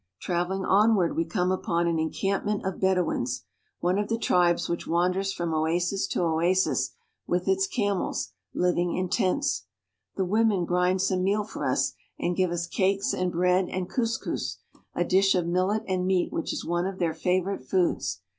Traveling onward we come upon an encampment of louins, one of the tribes which wanders from oasis oasis with its camels, living in tents. The women !nd some meal for us and give us cakes and bread and touscous, a dish of millet and meat which is one of their fevorite foods.